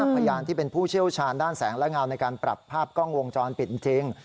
พยานที่เป็นผู้เชี่ยวชาญด้านแสงและเงาในการปรับภาพกล้องวงจรปิดจริง